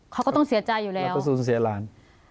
เขาก็ต้องเสียใจอยู่แล้วแล้วก็สูญเสียหลาน